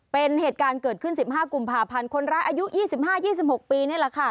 เป็นเหตุการณ์เกิดขึ้น๑๕กุมภาพันธ์คนร้ายอายุ๒๕๒๖ปีนี่แหละค่ะ